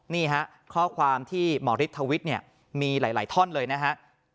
นี่ฮะข้อความที่หมอฤทธวิตเนี่ยมีหลายท่อนเลยนะฮะ